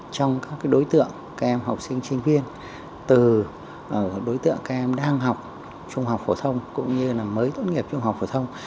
trong các đối tượng các em học sinh sinh viên từ đối tượng các em đang học trung học phổ thông cũng như là mới tốt nghiệp trung học phổ thông